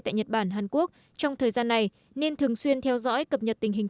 tại nhật bản hàn quốc trong thời gian này nên thường xuyên theo dõi cập nhật tình hình